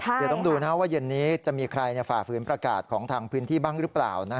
เดี๋ยวต้องดูว่าเย็นนี้จะมีใครฝ่าฝืนประกาศของทางพื้นที่บ้างหรือเปล่า